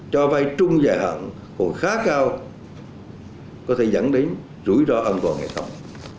cho vai trung dài hẳn còn khá cao có thể dẫn đến rủi ro ân vọng hay không